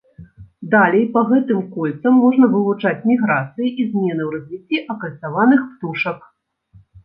Далей па гэтым кольцам можна вывучаць міграцыі і змены ў развіцці акальцаваных птушак.